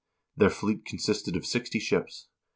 Their fleet consisted of sixty ships.